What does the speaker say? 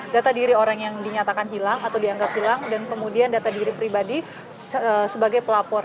data diri orang yang dinyatakan hilang atau dianggap hilang dan kemudian data diri pribadi sebagai pelapor